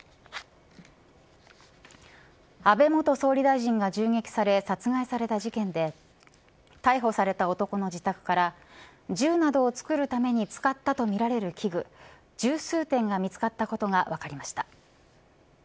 安倍元総理大臣が銃撃され殺害された事件で逮捕された男の自宅から銃などを作るために使ったとみられる器具十数点が見つかったことが分かりました。